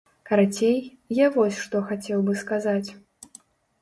Карацей, я вось што хацеў бы сказаць.